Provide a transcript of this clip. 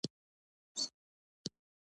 خپلو همکارانو سره همکاري وکړئ.